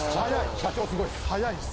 ・社長すごいっす。